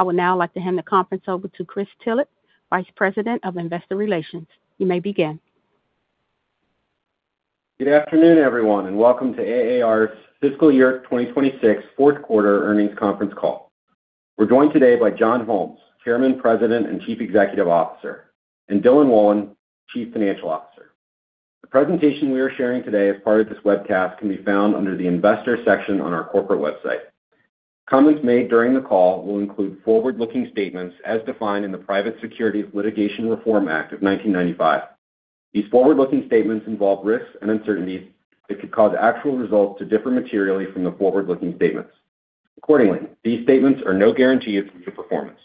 I would now like to hand the conference over to Chris Tillett, Vice President of Investor Relations. You may begin. Good afternoon, everyone, welcome to AAR's Fiscal Year 2026 Fourth Quarter Earnings Conference Call. We are joined today by John Holmes, Chairman, President, and Chief Executive Officer, and Dylan Wolin, Chief Financial Officer. The presentation we are sharing today as part of this webcast can be found under the Investors section on our corporate website. Comments made during the call will include forward-looking statements as defined in the Private Securities Litigation Reform Act of 1995. These forward-looking statements involve risks and uncertainties that could cause actual results to differ materially from the forward-looking statements. These statements are no guarantee of future performance.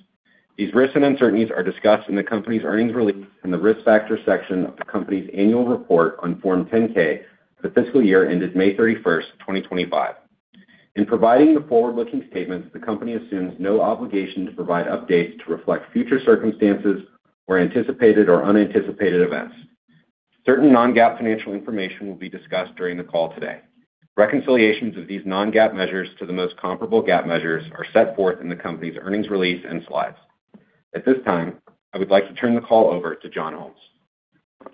These risks and uncertainties are discussed in the company's earnings release, in the Risk Factors section of the company's annual report on Form 10-K for the fiscal year ended May 31st, 2025. In providing the forward-looking statements, the company assumes no obligation to provide updates to reflect future circumstances or anticipated or unanticipated events. Certain non-GAAP financial information will be discussed during the call today. Reconciliations of these non-GAAP measures to the most comparable GAAP measures are set forth in the company's earnings release and slides. At this time, I would like to turn the call over to John Holmes.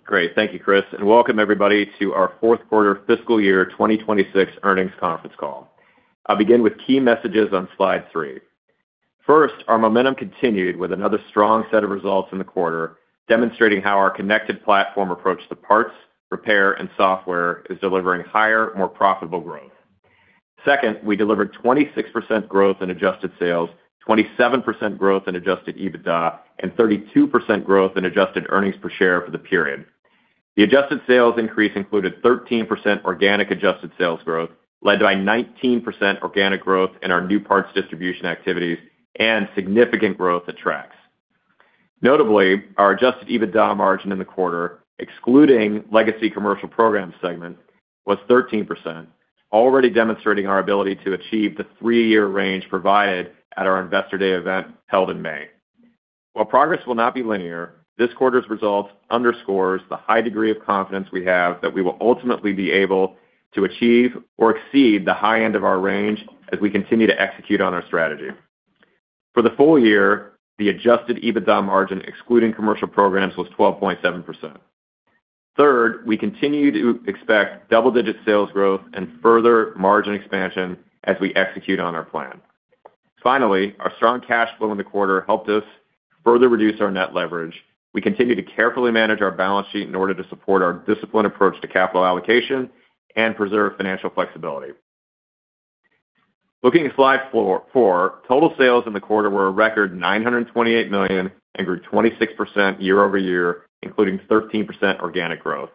Great. Thank you, Chris, welcome everybody to our fourth quarter fiscal year 2026 earnings conference call. I will begin with key messages on slide three. Our momentum continued with another strong set of results in the quarter, demonstrating how our connected platform approach to parts, repair, and software is delivering higher, more profitable growth. We delivered 26% growth in adjusted sales, 27% growth in adjusted EBITDA, and 32% growth in adjusted earnings per share for the period. The adjusted sales increase included 13% organic adjusted sales growth, led by 19% organic growth in our new parts distribution activities and significant growth at Trax. Our adjusted EBITDA margin in the quarter, excluding Legacy Commercial Programs segment, was 13%, already demonstrating our ability to achieve the three-year range provided at our Investor Day event held in May. While progress will not be linear, this quarter's results underscores the high degree of confidence we have that we will ultimately be able to achieve or exceed the high end of our range as we continue to execute on our strategy. For the full year, the adjusted EBITDA margin excluding Commercial Programs was 12.7%. Third, we continue to expect double-digit sales growth and further margin expansion as we execute on our plan. Finally, our strong cash flow in the quarter helped us further reduce our net leverage. We continue to carefully manage our balance sheet in order to support our disciplined approach to capital allocation and preserve financial flexibility. Looking at slide four, total sales in the quarter were a record $928 million and grew 26% year-over-year, including 13% organic growth.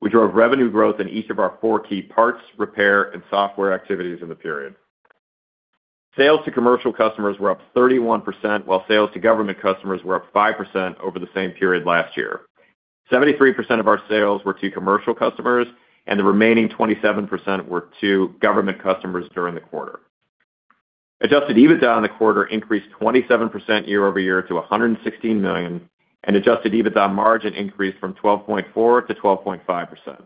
We drove revenue growth in each of our four key parts, repair, and software activities in the period. Sales to commercial customers were up 31%, while sales to government customers were up 5% over the same period last year. 73% of our sales were to commercial customers, and the remaining 27% were to government customers during the quarter. Adjusted EBITDA in the quarter increased 27% year-over-year to $116 million, and adjusted EBITDA margin increased from 12.4% to 12.5%.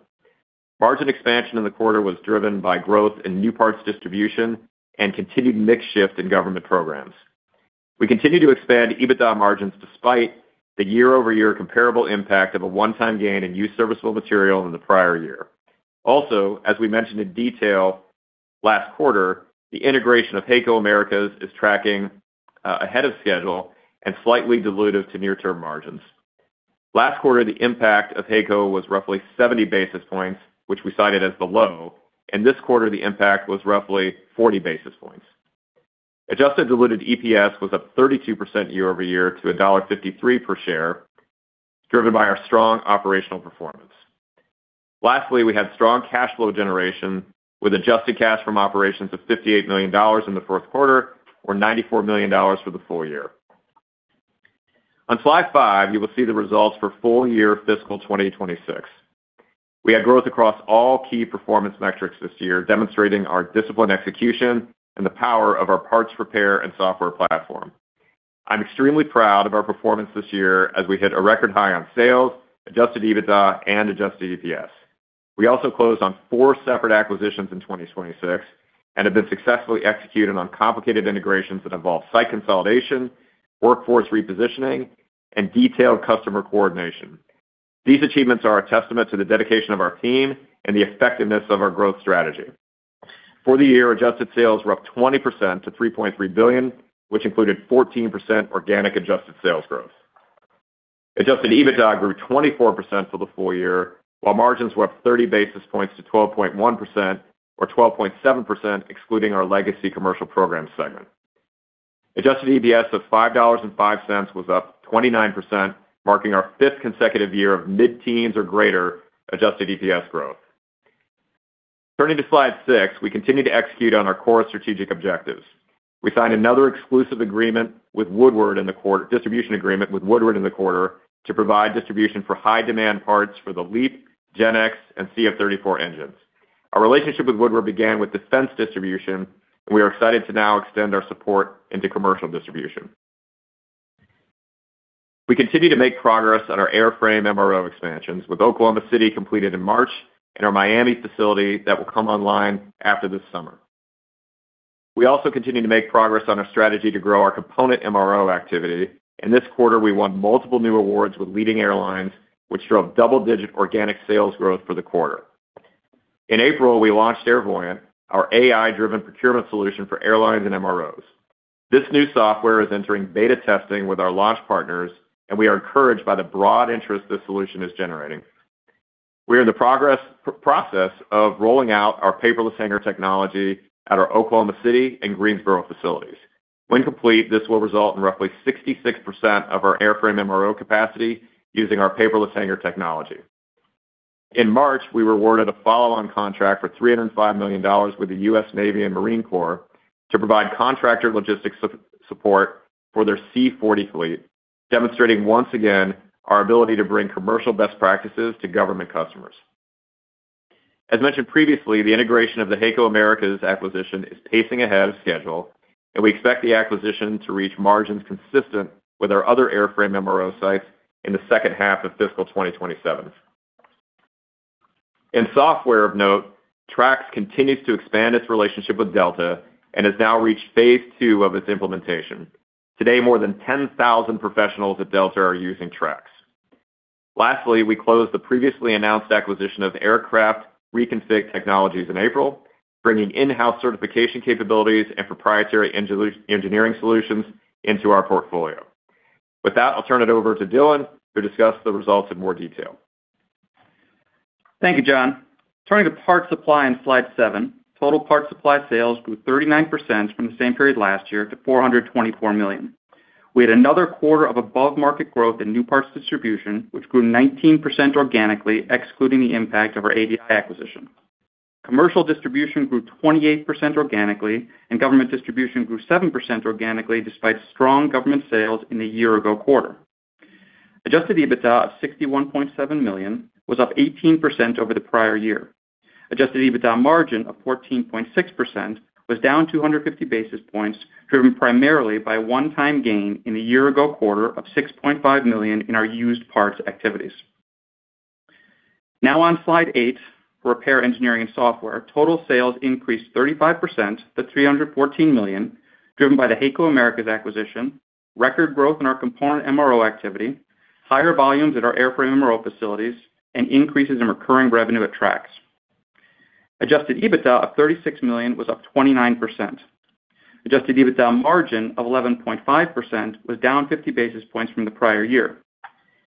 Margin expansion in the quarter was driven by growth in new parts distribution and continued mix shift in government programs. We continue to expand EBITDA margins despite the year-over-year comparable impact of a one-time gain in used serviceable material in the prior year. As we mentioned in detail last quarter, the integration of HAECO Americas is tracking ahead of schedule and slightly dilutive to near-term margins. Last quarter, the impact of HAECO was roughly 70 basis points, which we cited as the low, and this quarter the impact was roughly 40 basis points. Adjusted diluted EPS was up 32% year-over-year to $1.53 per share, driven by our strong operational performance. Lastly, we had strong cash flow generation with adjusted cash from operations of $58 million in the first quarter or $94 million for the full year. On slide five, you will see the results for full year fiscal 2026. We had growth across all key performance metrics this year, demonstrating our disciplined execution and the power of our parts repair and software platform. I'm extremely proud of our performance this year as we hit a record high on sales, adjusted EBITDA, and adjusted EPS. We closed on four separate acquisitions in 2026 and have been successfully executing on complicated integrations that involve site consolidation, workforce repositioning, and detailed customer coordination. These achievements are a testament to the dedication of our team and the effectiveness of our growth strategy. For the year, adjusted sales were up 20% to $3.3 billion, which included 14% organic adjusted sales growth. Adjusted EBITDA grew 24% for the full year, while margins were up 30 basis points to 12.1%, or 12.7% excluding our Legacy Commercial Programs segment. Adjusted EPS of $5.05 was up 29%, marking our fifth consecutive year of mid-teens or greater adjusted EPS growth. Turning to slide six, we continue to execute on our core strategic objectives. We signed another exclusive distribution agreement with Woodward in the quarter to provide distribution for high-demand parts for the LEAP, GEnx, and CF34 engines. Our relationship with Woodward began with defense distribution, and we are excited to now extend our support into commercial distribution. We continue to make progress on our airframe MRO expansions, with Oklahoma City completed in March and our Miami facility that will come online after this summer. We also continue to make progress on our strategy to grow our component MRO activity. In this quarter, we won multiple new awards with leading airlines, which drove double-digit organic sales growth for the quarter. In April, we launched Airvoyant, our AI-driven procurement solution for airlines and MROs. This new software is entering beta testing with our launch partners, and we are encouraged by the broad interest this solution is generating. We are in the process of rolling out our paperless hangar technology at our Oklahoma City and Greensboro facilities. When complete, this will result in roughly 66% of our airframe MRO capacity using our paperless hangar technology. In March, we were awarded a follow-on contract for $305 million with the U.S. Navy and Marine Corps to provide contractor logistics support for their C-40 fleet, demonstrating once again our ability to bring commercial best practices to government customers. As mentioned previously, the integration of the HAECO Americas acquisition is pacing ahead of schedule, and we expect the acquisition to reach margins consistent with our other airframe MRO sites in the second half of fiscal 2027. In software of note, Trax continues to expand its relationship with Delta and has now reached phase II of its implementation. Today, more than 10,000 professionals at Delta are using Trax. Lastly, we closed the previously announced acquisition of Aircraft Reconfig Technologies in April, bringing in-house certification capabilities and proprietary engineering solutions into our portfolio. With that, I'll turn it over to Dylan to discuss the results in more detail. Thank you, John. Turning to Parts Supply on slide seven. Total Parts Supply sales grew 39% from the same period last year to $424 million. We had another quarter of above-market growth in new parts distribution, which grew 19% organically, excluding the impact of our ADI acquisition. Commercial distribution grew 28% organically, and government distribution grew 7% organically, despite strong government sales in the year-ago quarter. Adjusted EBITDA of $61.7 million was up 18% over the prior year. Adjusted EBITDA margin of 14.6% was down 250 basis points, driven primarily by a one-time gain in the year-ago quarter of $6.5 million in our used parts activities. Now on slide eight, Repair, Engineering, and Software. Total sales increased 35% to $314 million, driven by the HAECO Americas acquisition, record growth in our component MRO activity, higher volumes at our airframe MRO facilities, and increases in recurring revenue at Trax. Adjusted EBITDA of $36 million was up 29%. Adjusted EBITDA margin of 11.5% was down 50 basis points from the prior year.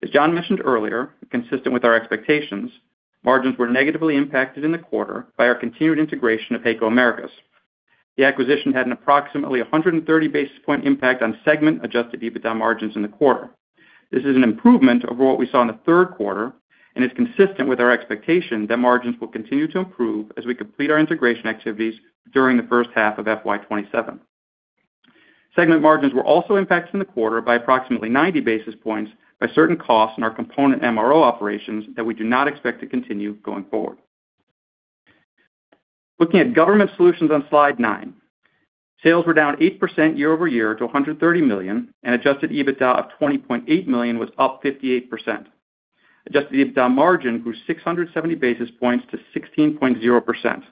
As John mentioned earlier, consistent with our expectations, margins were negatively impacted in the quarter by our continued integration of HAECO Americas. The acquisition had an approximately 130-basis point impact on segment Adjusted EBITDA margins in the quarter. This is an improvement over what we saw in the third quarter and is consistent with our expectation that margins will continue to improve as we complete our integration activities during the first half of FY 2027. Segment margins were also impacted in the quarter by approximately 90 basis points by certain costs in our component MRO operations that we do not expect to continue going forward. Looking at Government Solutions on slide nine. Sales were down 8% year-over-year to $130 million. Adjusted EBITDA of $20.8 million was up 58%. Adjusted EBITDA margin grew 670 basis points to 16.0%.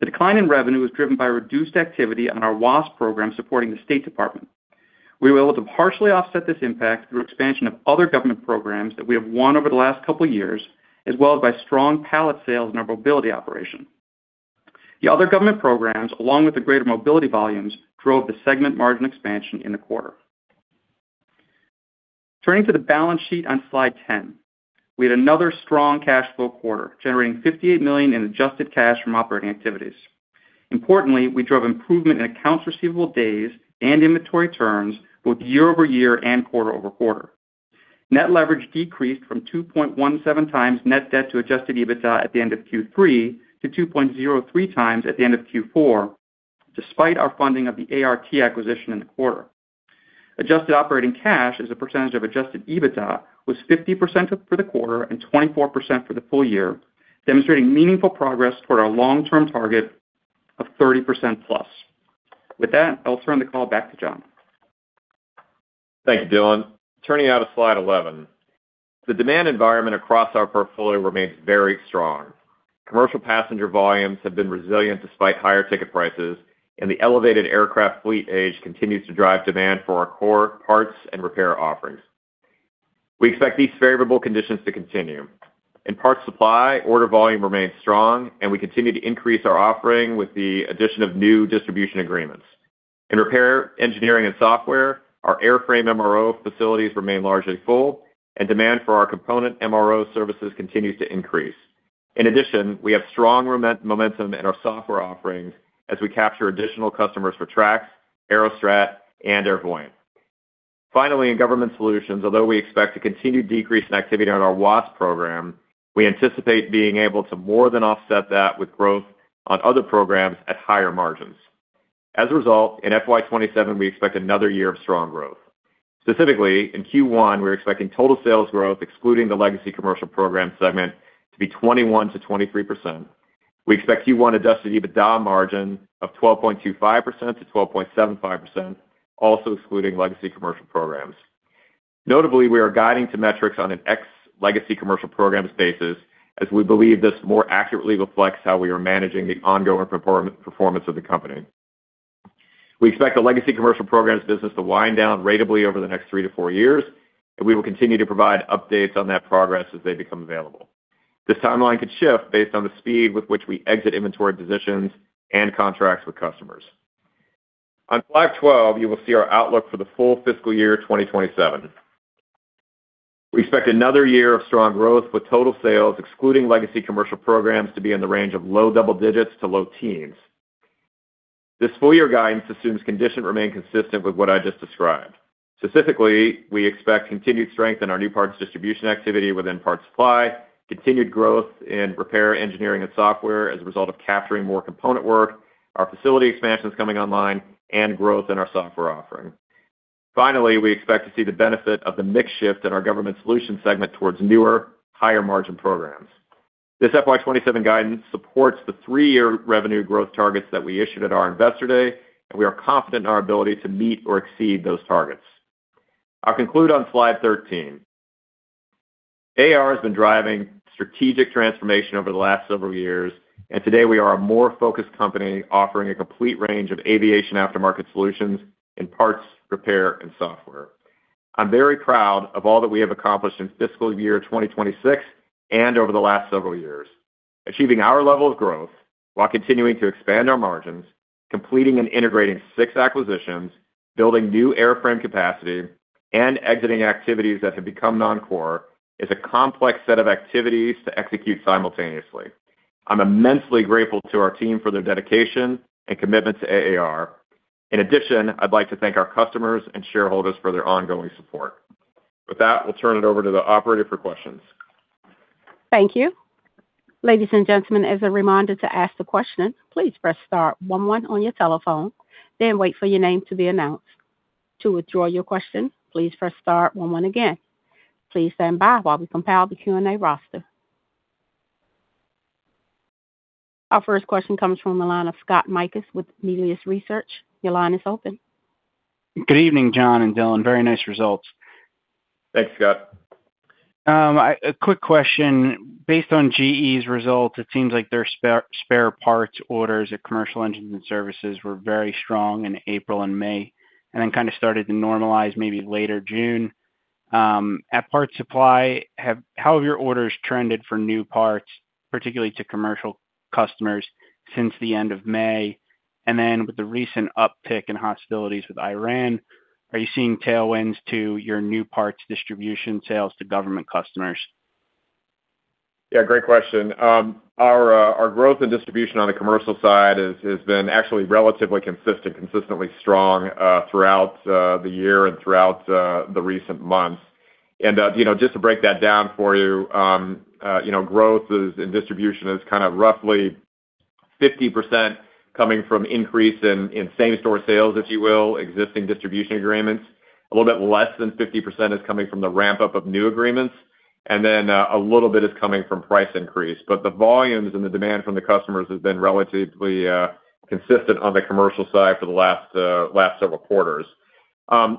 The decline in revenue was driven by reduced activity on our WASS program supporting the United States Department of State. We were able to partially offset this impact through expansion of other government programs that we have won over the last couple of years, as well as by strong pallet sales in our Mobility Systems operation. The other government programs, along with the greater Mobility volumes, drove the segment margin expansion in the quarter. Turning to the balance sheet on slide 10. We had another strong cash flow quarter, generating $58 million in adjusted cash from operating activities. Importantly, we drove improvement in accounts receivable days and inventory turns both year-over-year and quarter-over-quarter. Net leverage decreased from 2.17x net debt to Adjusted EBITDA at the end of Q3 to 2.03times at the end of Q4, despite our funding of the AAR/T acquisition in the quarter. Adjusted operating cash as a percentage of Adjusted EBITDA was 50% for the quarter and 24% for the full year, demonstrating meaningful progress toward our long-term target of 30% plus. With tht, I'll turn the call back to John. Thank you, Dylan. Turning now to slide 11. The demand environment across our portfolio remains very strong. Commercial passenger volumes have been resilient despite higher ticket prices, and the elevated aircraft fleet age continues to drive demand for our core Parts Supply and repair offerings. We expect these favorable conditions to continue. In Parts Supply, order volume remains strong, and we continue to increase our offering with the addition of new distribution agreements. In Repair, Engineering, and Software, our airframe MRO facilities remain largely full, and demand for our component MRO services continues to increase. In addition, we have strong momentum in our software offerings as we capture additional customers for Trax, Aerostrat, and Airvoyant. Finally, in Government Solutions, although we expect a continued decrease in activity on our WASS program, we anticipate being able to more than offset that with growth on other programs at higher margins. As a result, in FY 2027, we expect another year of strong growth. Specifically, in Q1, we're expecting total sales growth, excluding the Legacy Commercial Programs segment, to be 21%-23%. We expect Q1 adjusted EBITDA margin of 12.25%-12.75%, also excluding Legacy Commercial Programs. Notably, we are guiding to metrics on an ex Legacy Commercial Programs basis, as we believe this more accurately reflects how we are managing the ongoing performance of the company. We expect the Legacy Commercial Programs business to wind down ratably over the next three to four years, and we will continue to provide updates on that progress as they become available. This timeline could shift based on the speed with which we exit inventory positions and contracts with customers. On slide 12, you will see our outlook for the full fiscal year 2027. We expect another year of strong growth with total sales, excluding Legacy Commercial Programs, to be in the range of low double digits to low teens. This full year guidance assumes conditions remain consistent with what I just described. Specifically, we expect continued strength in our new Parts Supply distribution activity within Parts Supply, continued growth in Repair, Engineering, and Software as a result of capturing more component work, our facility expansions coming online, and growth in our software offering. Finally, we expect to see the benefit of the mix shift in our Government Solutions segment towards newer, higher-margin programs. This FY 2027 guidance supports the three-year revenue growth targets that we issued at our investor day, and we are confident in our ability to meet or exceed those targets. I'll conclude on slide 13. AAR has been driving strategic transformation over the last several years, and today we are a more focused company offering a complete range of aviation aftermarket solutions in parts, repair, and software. I'm very proud of all that we have accomplished in fiscal year 2026 and over the last several years. Achieving our level of growth while continuing to expand our margins, completing and integrating six acquisitions, building new airframe capacity, and exiting activities that have become non-core is a complex set of activities to execute simultaneously. I'm immensely grateful to our team for their dedication and commitment to AAR. In addition, I'd like to thank our customers and shareholders for their ongoing support. With that, we'll turn it over to the operator for questions. Thank you. Ladies and gentlemen, as a reminder to ask the question, please press star one on your telephone, then wait for your name to be announced. To withdraw your question, please press star one again. Please stand by while we compile the Q&A roster. Our first question comes from the line of Scott Mikus with Melius Research. Your line is open. Good evening, John and Dylan. Very nice results. Thanks, Scott. A quick question. Based on GE's results, it seems like their spare parts orders at commercial engines and services were very strong in April and May, then kind of started to normalize maybe later June. At Parts Supply, how have your orders trended for new parts, particularly to commercial customers since the end of May? With the recent uptick in hostilities with Iran, are you seeing tailwinds to your new parts distribution sales to government customers? Yeah, great question. Our growth and distribution on the commercial side has been actually relatively consistent, consistently strong throughout the year and throughout the recent months. Just to break that down for you, growth in distribution is kind of roughly 50% coming from increase in same-store sales, if you will, existing distribution agreements. A little bit less than 50% is coming from the ramp-up of new agreements. A little bit is coming from price increase. The volumes and the demand from the customers has been relatively consistent on the commercial side for the last several quarters.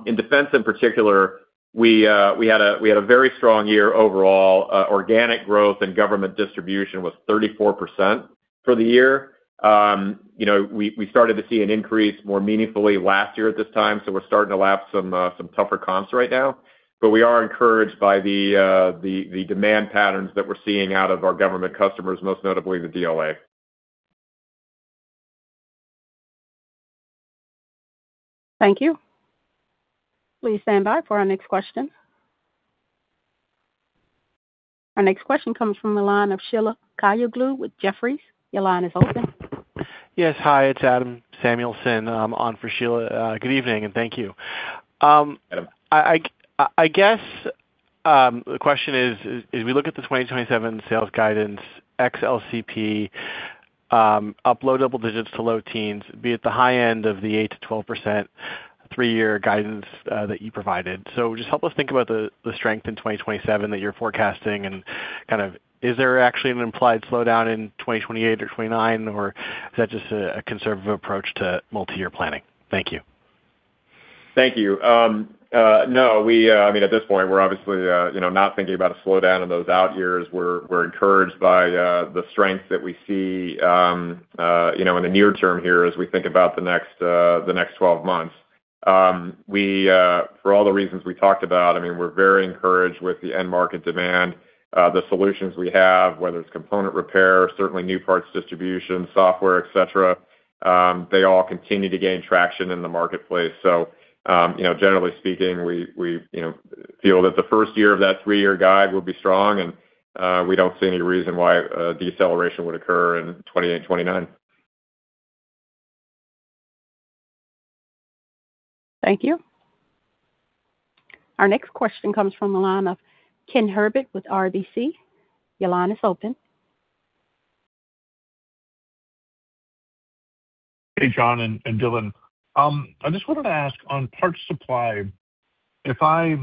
In defense in particular, we had a very strong year overall. Organic growth and government distribution was 34% for the year. We started to see an increase more meaningfully last year at this time, so we're starting to lap some tougher comps right now. We are encouraged by the demand patterns that we're seeing out of our government customers, most notably the DLA. Thank you. Please stand by for our next question. Our next question comes from the line of Sheila Kahyaoglu with Jefferies. Your line is open. Yes, hi, it's Adam Samuelson. I'm on for Sheila. Good evening, and thank you. You bet. I guess the question is, as we look at the 2027 sales guidance, ex-LCP, up low double digits to low teens, be at the high end of the 8%-12% three-year guidance that you provided. Just help us think about the strength in 2027 that you're forecasting and is there actually an implied slowdown in 2028 or 2029, or is that just a conservative approach to multi-year planning? Thank you. Thank you. No. At this point, we're obviously not thinking about a slowdown in those out years. We're encouraged by the strength that we see in the near term here as we think about the next 12 months. For all the reasons we talked about, we're very encouraged with the end market demand, the solutions we have, whether it's component repair, certainly new parts distribution, software, et cetera. They all continue to gain traction in the marketplace. Generally speaking, we feel that the first year of that three-year guide will be strong, and we don't see any reason why a deceleration would occur in 2028 and 2029. Thank you. Our next question comes from the line of Ken Herbert with RBC. Your line is open. Hey, John and Dylan. I just wanted to ask on Parts Supply, if I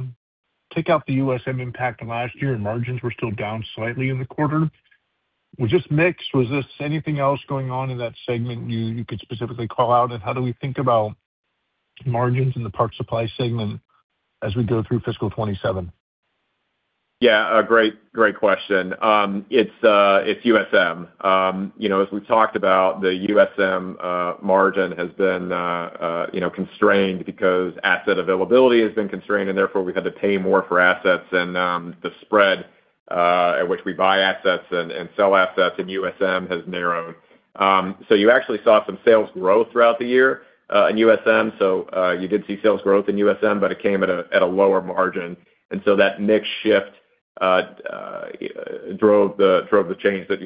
take out the USM impact last year and margins were still down slightly in the quarter, was this mix? Was this anything else going on in that segment you could specifically call out? How do we think about margins in the Parts Supply segment as we go through fiscal 2027? Yeah, great question. It's USM. As we talked about, the USM margin has been constrained because asset availability has been constrained, and therefore we had to pay more for assets and the spread at which we buy assets and sell assets in USM has narrowed. You actually saw some sales growth throughout the year in USM. You did see sales growth in USM, but it came at a lower margin. That mix shift drove the change that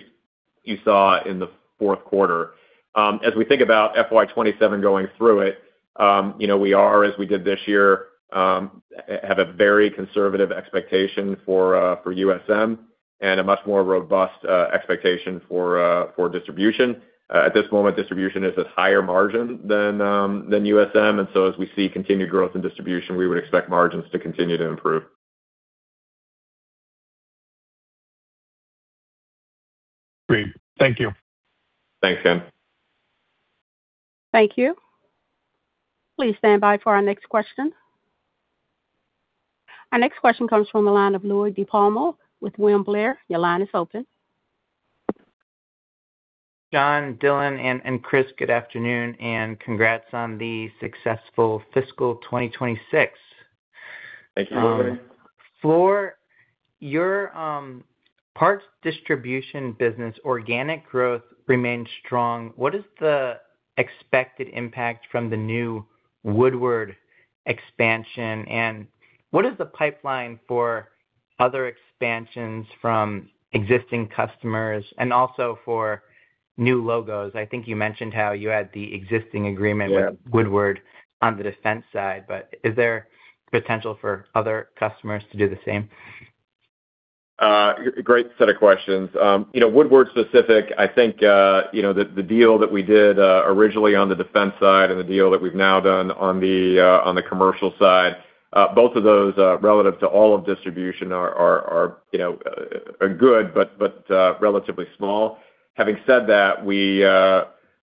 you saw in the fourth quarter. As we think about FY 2027 going through it, we are, as we did this year, have a very conservative expectation for USM and a much more robust expectation for distribution. At this moment, distribution is a higher margin than USM. As we see continued growth in distribution, we would expect margins to continue to improve. Great. Thank you. Thanks, Ken. Thank you. Please stand by for our next question. Our next question comes from the line of Louie DiPalma with William Blair. Your line is open. John, Dylan, and Chris, good afternoon, and congrats on the successful fiscal 2026. Thank you. For your Parts Distribution business, organic growth remains strong. What is the expected impact from the new Woodward expansion, and what is the pipeline for other expansions from existing customers and also for new logos? I think you mentioned how you had the existing agreement- Yeah -with Woodward on the defense side, is there potential for other customers to do the same? Great set of questions. Woodward specific, I think the deal that we did originally on the defense side and the deal that we've now done on the commercial side, both of those relative to all of distribution are good but relatively small. Having said that,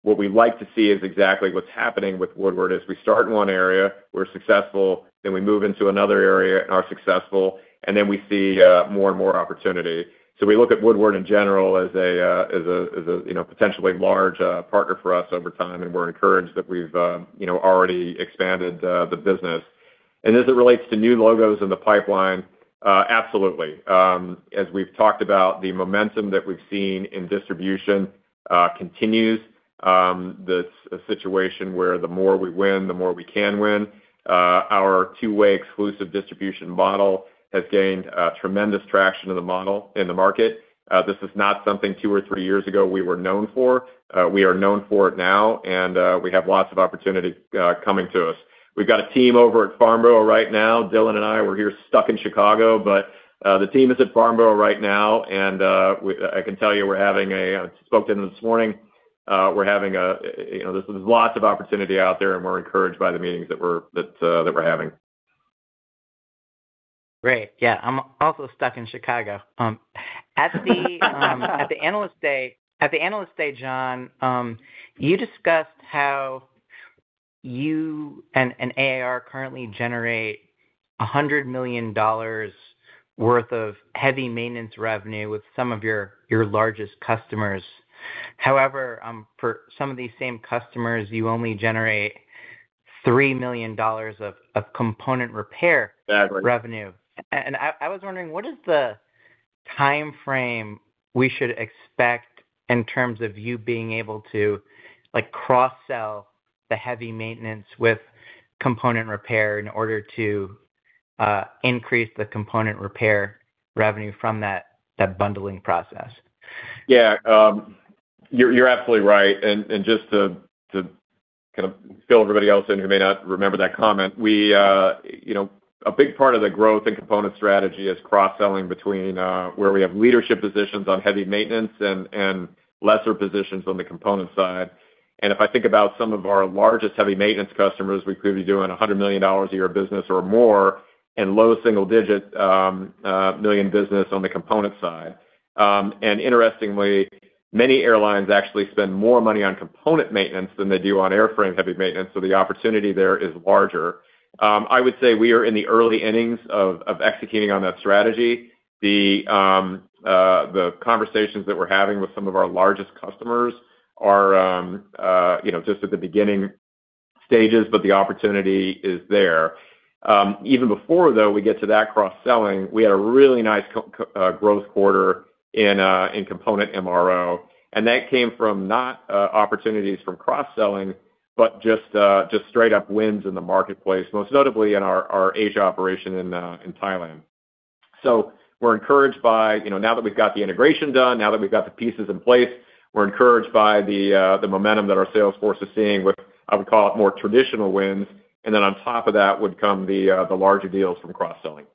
what we like to see is exactly what's happening with Woodward, is we start in one area, we're successful, then we move into another area and are successful, and then we see more and more opportunity. We look at Woodward in general as a potentially large partner for us over time, and we're encouraged that we've already expanded the business. As it relates to new logos in the pipeline, absolutely. As we've talked about, the momentum that we've seen in distribution continues. This situation where the more we win, the more we can win. Our two-way exclusive distribution model has gained tremendous traction of the model in the market. This is not something two or three years ago we were known for. We are known for it now, we have lots of opportunity coming to us. We've got a team over at Farnborough right now. Dylan and I, we're here stuck in Chicago, the team is at Farnborough right now, I can tell you, I spoke to them this morning. There's lots of opportunity out there, we're encouraged by the meetings that we're having. Great. Yeah. I'm also stuck in Chicago. At the Analyst Day, John, you discussed how you and AAR currently generate $100 million worth of heavy maintenance revenue with some of your largest customers. However, for some of these same customers, you only generate $3 million of component repair- That's right. -revenue. I was wondering, what is the timeframe we should expect in terms of you being able to cross-sell the heavy maintenance with component repair in order to increase the component repair revenue from that bundling process? Yeah. You're absolutely right. Just to fill everybody else in who may not remember that comment, a big part of the growth and component strategy is cross-selling between where we have leadership positions on heavy maintenance and lesser positions on the component side. If I think about some of our largest heavy maintenance customers, we could be doing $100 million a year business or more in low single-digit million business on the component side. Interestingly, many airlines actually spend more money on component maintenance than they do on airframe heavy maintenance, so the opportunity there is larger. I would say we are in the early innings of executing on that strategy. The conversations that we're having with some of our largest customers are just at the beginning stages, but the opportunity is there. Even before, though, we get to that cross-selling, we had a really nice growth quarter in component MRO, that came from not opportunities from cross-selling, but just straight up wins in the marketplace, most notably in our Asia operation in Thailand. We're encouraged by now that we've got the integration done, now that we've got the pieces in place, we're encouraged by the momentum that our sales force is seeing with, I would call it more traditional wins, then on top of that would come the larger deals from cross-selling.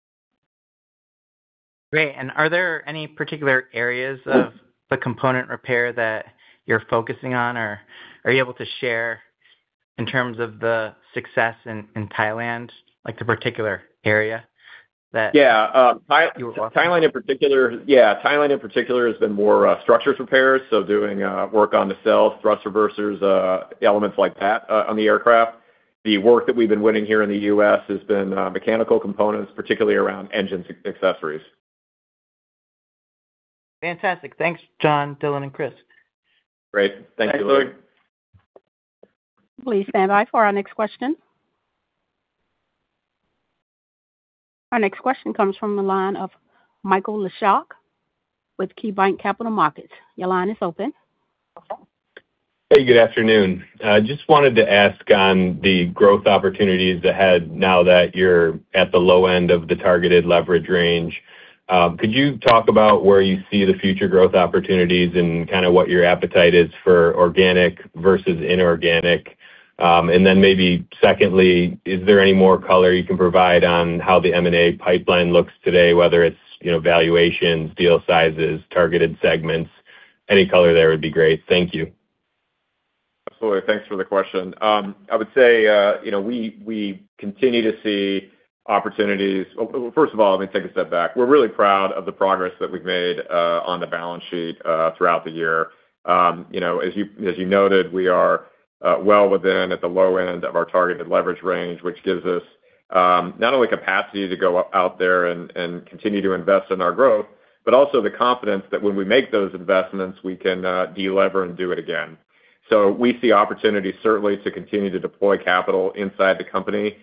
Great. Are there any particular areas of the component repair that you're focusing on, or are you able to share in terms of the success in Thailand, like the particular area that- Yeah. You were talking Thailand in particular has been more structures repairs, so doing work on the cells, thrust reversers, elements like that on the aircraft. The work that we've been winning here in the U.S. has been mechanical components, particularly around engine accessories. Fantastic. Thanks, John, Dylan, and Chris. Great. Thank you. Please stand by for our next question. Our next question comes from the line of Michael Leshock with KeyBanc Capital Markets. Your line is open. Hey, good afternoon. Just wanted to ask on the growth opportunities ahead now that you're at the low end of the targeted leverage range. Could you talk about where you see the future growth opportunities and kind of what your appetite is for organic versus inorganic? Maybe secondly, is there any more color you can provide on how the M&A pipeline looks today, whether it's valuations, deal sizes, targeted segments? Any color there would be great. Thank you. Absolutely. Thanks for the question. I would say we continue to see opportunities. First of all, let me take a step back. We're really proud of the progress that we've made on the balance sheet throughout the year. As you noted, we are well within at the low end of our targeted leverage range, which gives us not only capacity to go out there and continue to invest in our growth, but also the confidence that when we make those investments, we can de-lever and do it again. We see opportunities certainly to continue to deploy capital inside the company,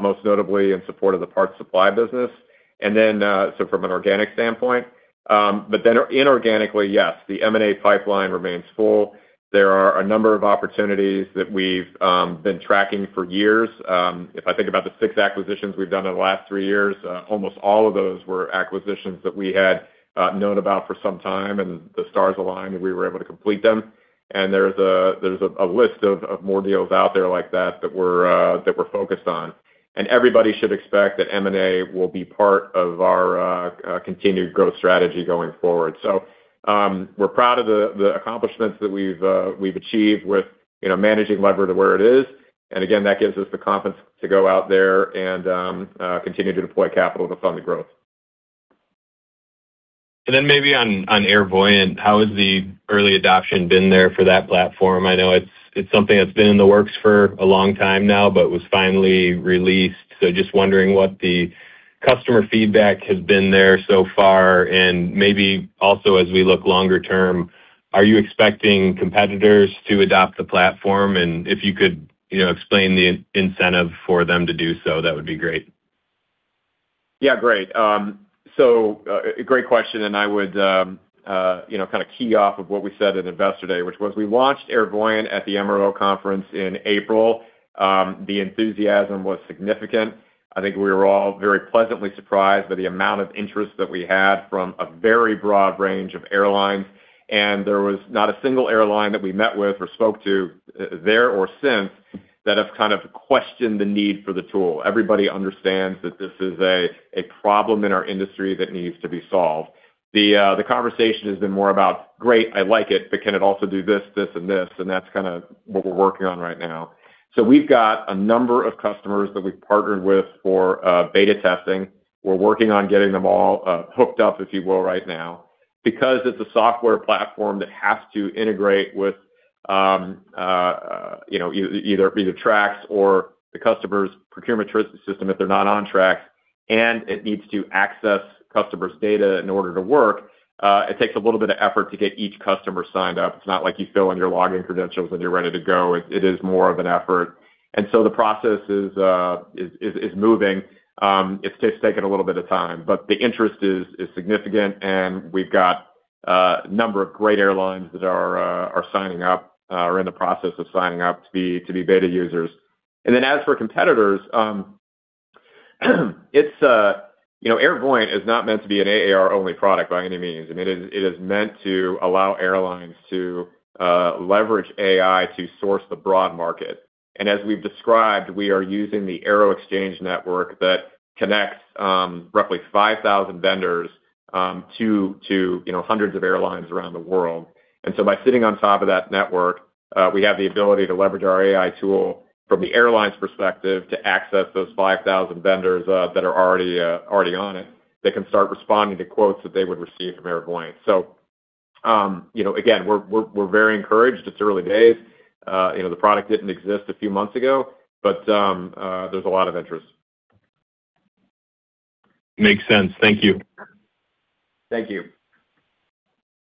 most notably in support of the Parts Supply business. From an organic standpoint, inorganically, yes, the M&A pipeline remains full. There are a number of opportunities that we've been tracking for years. If I think about the six acquisitions we've done in the last three years, almost all of those were acquisitions that we had known about for some time, and the stars aligned, and we were able to complete them. There's a list of more deals out there like that that we're focused on. Everybody should expect that M&A will be part of our continued growth strategy going forward. We're proud of the accomplishments that we've achieved with managing lever to where it is. That gives us the confidence to go out there and continue to deploy capital to fund the growth. Maybe on Airvoyant, how has the early adoption been there for that platform? I know it's something that's been in the works for a long time now, but was finally released. Just wondering what the customer feedback has been there so far, maybe also as we look longer term, are you expecting competitors to adopt the platform? If you could explain the incentive for them to do so, that would be great. Yeah, great. A great question, I would kind of key off of what we said at Investor Day, which was we launched Airvoyant at the MRO conference in April. The enthusiasm was significant. I think we were all very pleasantly surprised by the amount of interest that we had from a very broad range of airlines. There was not a single airline that we met with or spoke to there, or since, that have kind of questioned the need for the tool. Everybody understands that this is a problem in our industry that needs to be solved. The conversation has been more about, great, I like it, but can it also do this, and this? That's kind of what we're working on right now. We've got a number of customers that we've partnered with for beta testing. We're working on getting them all hooked up, if you will, right now. Because it's a software platform that has to integrate with either Trax or the customer's procurement system if they're not on Trax, and it needs to access customers' data in order to work, it takes a little bit of effort to get each customer signed up. It's not like you fill in your login credentials, and you're ready to go. It is more of an effort. The process is moving. It's just taking a little bit of time, but the interest is significant, and we've got a number of great airlines that are signing up, are in the process of signing up to be beta users. As for competitors, Airvoyant is not meant to be an AAR-only product by any means. I mean, it is meant to allow airlines to leverage AI to source the broad market. As we've described, we are using the Aeroxchange Network that connects roughly 5,000 vendors to hundreds of airlines around the world. By sitting on top of that network, we have the ability to leverage our AI tool from the airlines' perspective to access those 5,000 vendors that are already on it. They can start responding to quotes that they would receive from Airvoyant. Again, we're very encouraged. It's early days. The product didn't exist a few months ago, but there's a lot of interest. Makes sense. Thank you. Thank you.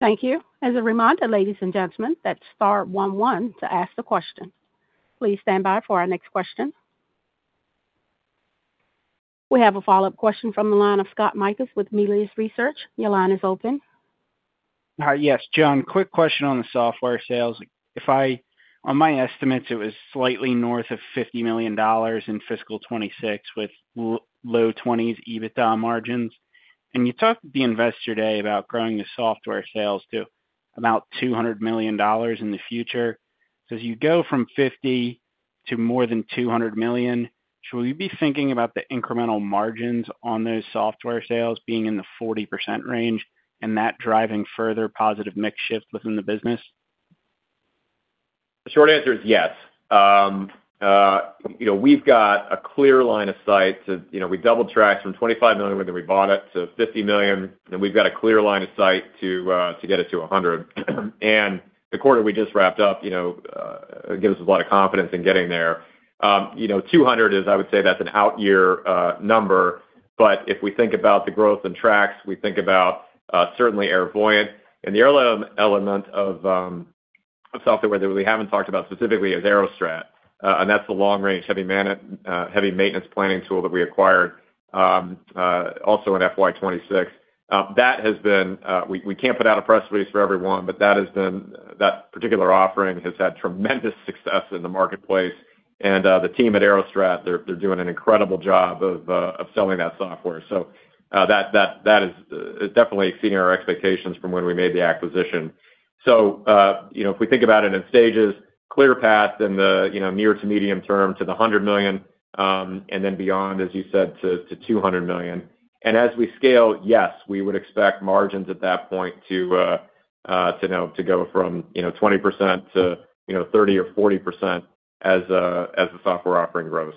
Thank you. As a reminder, ladies and gentlemen, that is star 11 to ask the question. Please stand by for our next question. We have a follow-up question from the line of Scott Mikus with Melius Research. Your line is open. Yes. John, quick question on the software sales. On my estimates, it was slightly north of $50 million in fiscal 2026 with low 20s EBITDA margins. You talked at the Investor Day about growing the software sales to about $200 million in the future. As you go from $50 million to more than $200 million, should we be thinking about the incremental margins on those software sales being in the 40% range and that driving further positive mix shift within the business? The short answer is yes. We've got a clear line of sight. We doubled Trax from $25 million when we bought it to $50 million. We've got a clear line of sight to get it to $100 million. The quarter we just wrapped up gives us a lot of confidence in getting there. $200 million is, I would say, that's an out year number. If we think about the growth in Trax, we think about certainly Airvoyant, the element of software that we haven't talked about specifically is Aerostrat. That's the long-range heavy maintenance planning tool that we acquired also in FY 2026. We can't put out a press release for every one, but that particular offering has had tremendous success in the marketplace. The team at Aerostrat, they're doing an incredible job of selling that software. That is definitely exceeding our expectations from when we made the acquisition. If we think about it in stages, clear path in the near to medium term to the $100 million, then beyond, as you said, to $200 million. As we scale, yes, we would expect margins at that point to go from 20% to 30% or 40% as the software offering grows.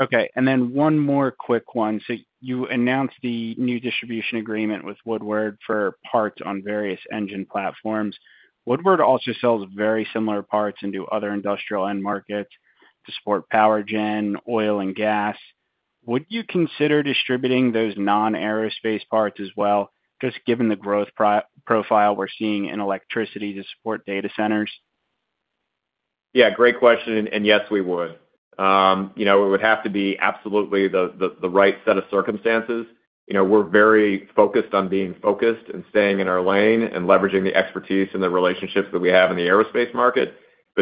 Okay, one more quick one. You announced the new distribution agreement with Woodward for parts on various engine platforms. Woodward also sells very similar parts into other industrial end markets to support power gen, oil, and gas. Would you consider distributing those non-aerospace parts as well, just given the growth profile we're seeing in electricity to support data centers? Yeah, great question, yes, we would. It would have to be absolutely the right set of circumstances. We're very focused on being focused and staying in our lane and leveraging the expertise and the relationships that we have in the aerospace market.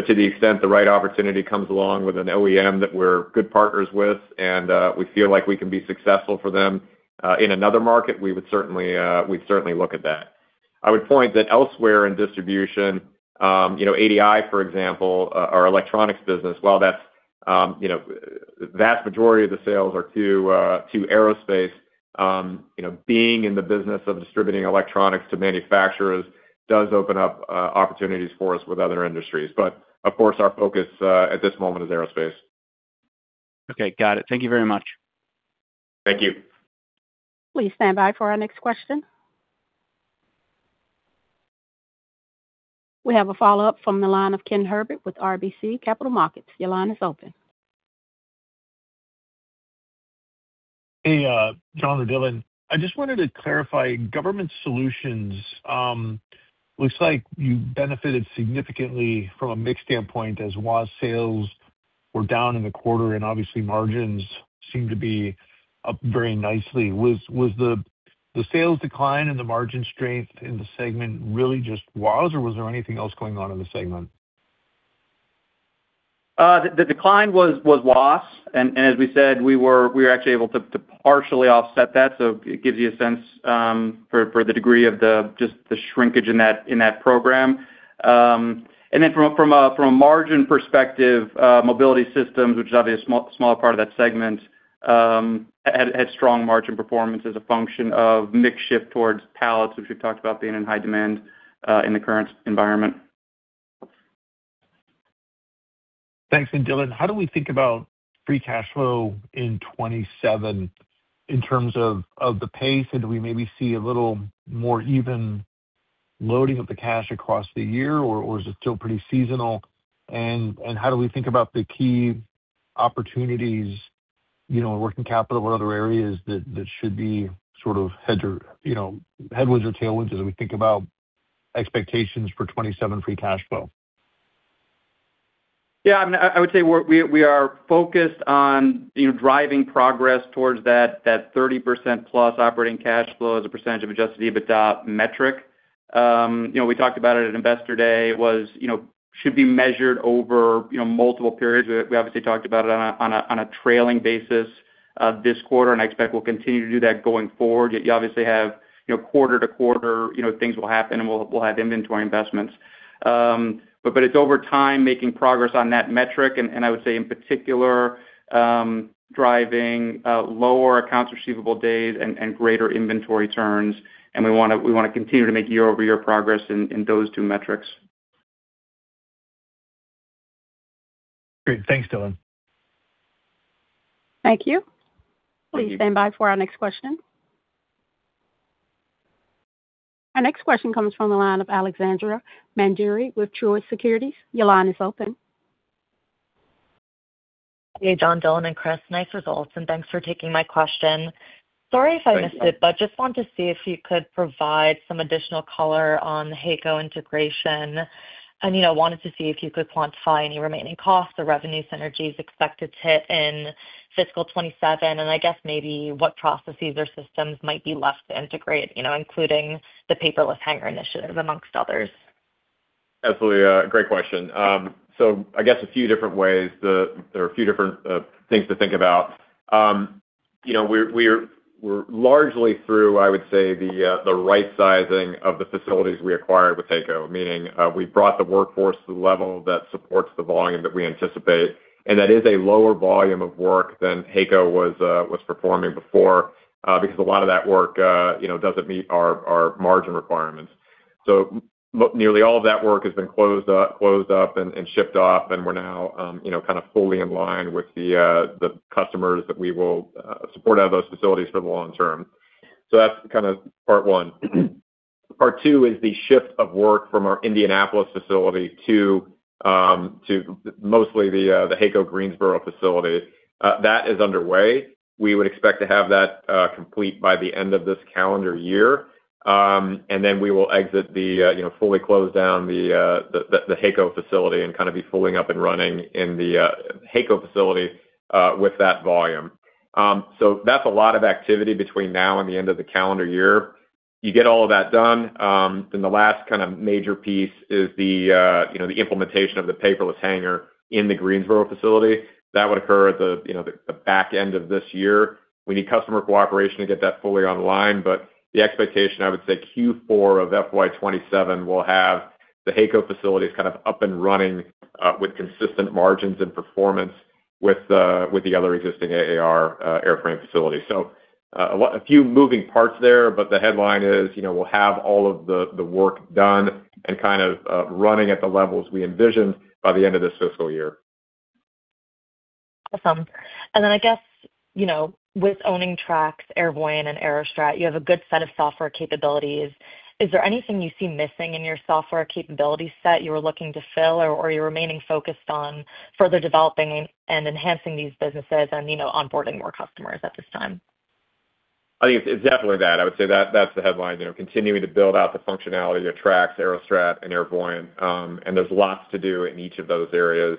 To the extent the right opportunity comes along with an OEM that we're good partners with and we feel like we can be successful for them in another market, we'd certainly look at that. I would point that elsewhere in distribution, ADI, for example, our electronics business, while the vast majority of the sales are to aerospace, being in the business of distributing electronics to manufacturers does open up opportunities for us with other industries. Of course, our focus at this moment is aerospace. Okay, got it. Thank you very much. Thank you. Please stand by for our next question. We have a follow-up from the line of Ken Herbert with RBC Capital Markets. Your line is open. Hey, John or Dylan. I just wanted to clarify Government Solutions. Looks like you benefited significantly from a mix standpoint as WASS sales were down in the quarter, and obviously margins seem to be up very nicely. Was the sales decline and the margin strength in the segment really just WASS, or was there anything else going on in the segment? The decline was WASS, as we said, we were actually able to partially offset that, it gives you a sense for the degree of just the shrinkage in that program. From a margin perspective, Mobility Systems, which is obviously a smaller part of that segment, had strong margin performance as a function of mix shift towards pallets, which we've talked about being in high demand in the current environment. Thanks. Dylan, how do we think about free cash flow in 2027 in terms of the pace, do we maybe see a little more even loading of the cash across the year, or is it still pretty seasonal? How do we think about the key opportunities, working capital or other areas that should be sort of headwinds or tailwinds as we think about expectations for 2027 free cash flow? I would say we are focused on driving progress towards that 30%+ operating cash flow as a percentage of adjusted EBITDA metric. We talked about it at Investor Day. It should be measured over multiple periods. We obviously talked about it on a trailing basis this quarter, I expect we'll continue to do that going forward. You obviously have quarter to quarter, things will happen, we'll have inventory investments. It's over time, making progress on that metric, I would say in particular, driving lower accounts receivable days and greater inventory turns, we want to continue to make year-over-year progress in those two metrics. Great. Thanks, Dylan. Thank you. Please stand by for our next question. Our next question comes from the line of Alexandra Mandery with Truist Securities. Your line is open. Hey, John, Dylan and Chris, nice results, and thanks for taking my question. Sorry if I missed it, but just wanted to see if you could provide some additional color on the HAECO integration, and wanted to see if you could quantify any remaining costs or revenue synergies expected to hit in fiscal 2027, and I guess maybe what processes or systems might be left to integrate including the Paperless Hangar Initiative amongst others. Absolutely. Great question. I guess a few different ways. There are a few different things to think about. We're largely through, I would say, the right sizing of the facilities we acquired with HAECO, meaning we've brought the workforce to the level that supports the volume that we anticipate, and that is a lower volume of work than HAECO was performing before, because a lot of that work doesn't meet our margin requirements. Nearly all of that work has been closed up and shipped off, and we're now kind of fully in line with the customers that we will support out of those facilities for the long term. That's kind of part one. Part two is the shift of work from our Indianapolis facility to mostly the HAECO Greensboro facility. That is underway. We would expect to have that complete by the end of this calendar year. We will fully close down the HAECO facility and kind of be fully up and running in the HAECO facility with that volume. That's a lot of activity between now and the end of the calendar year. You get all of that done, the last kind of major piece is the implementation of the Paperless Hangar in the Greensboro facility. That would occur at the back end of this year. We need customer cooperation to get that fully online. The expectation, I would say Q4 of FY 2027 will have the HAECO facilities kind of up and running with consistent margins and performance with the other existing AAR airframe facilities. A few moving parts there, but the headline is, we'll have all of the work done and kind of running at the levels we envision by the end of this fiscal year. Awesome. I guess, with owning Trax, Airvoyant, and Aerostrat, you have a good set of software capabilities. Is there anything you see missing in your software capability set you are looking to fill, or are you remaining focused on further developing and enhancing these businesses and onboarding more customers at this time? I think it's definitely that. I would say that's the headline. Continuing to build out the functionality of Trax, Aerostrat, and Airvoyant. There's lots to do in each of those areas.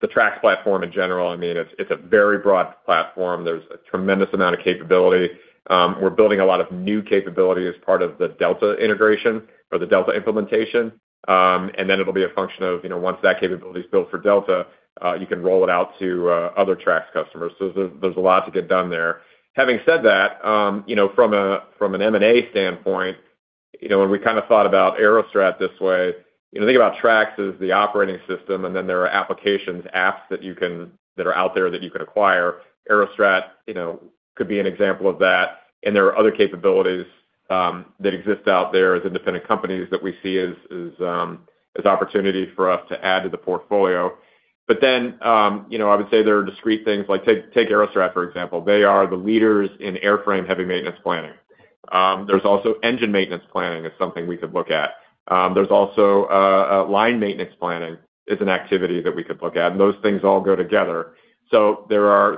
The Trax platform in general, it's a very broad platform. There's a tremendous amount of capability. We're building a lot of new capability as part of the Delta integration or the Delta implementation. It'll be a function of once that capability is built for Delta, you can roll it out to other Trax customers. There's a lot to get done there. Having said that, from an M&A standpoint, when we kind of thought about Aerostrat this way, think about Trax as the operating system, and then there are applications, apps that are out there that you can acquire. Aerostrat could be an example of that, there are other capabilities that exist out there as independent companies that we see as opportunities for us to add to the portfolio. I would say there are discrete things like take Aerostrat, for example. They are the leaders in airframe heavy maintenance planning. There's also engine maintenance planning is something we could look at. There's also line maintenance planning is an activity that we could look at, those things all go together. It's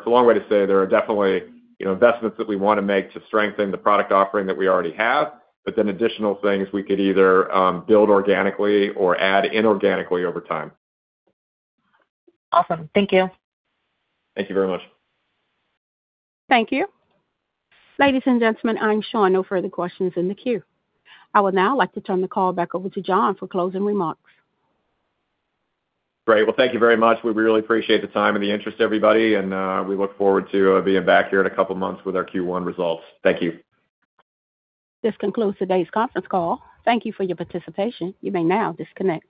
a long way to say there are definitely investments that we want to make to strengthen the product offering that we already have, additional things we could either build organically or add inorganically over time. Awesome. Thank you. Thank you very much. Thank you. Ladies and gentlemen, I'm showing no further questions in the queue. I would now like to turn the call back over to John for closing remarks. Great. Well, thank you very much. We really appreciate the time and the interest, everybody, and we look forward to being back here in a couple of months with our Q1 results. Thank you. This concludes today's conference call. Thank you for your participation. You may now disconnect.